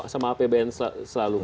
sama apbn selalu